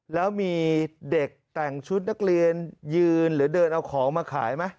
แล้วมีเด็กแต่งชุดนักเรียนยืนหรือเดินเอาของมาขายไหม